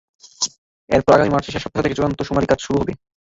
এরপর আগামী মার্চের শেষ সপ্তাহ থেকে চূড়ান্ত শুমারির কাজ শুরু হবে।